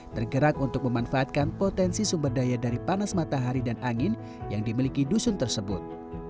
tergerak untuk memanfaatkan potensi sumber daya dari panas matahari dan angin yang dimiliki dusun tersebut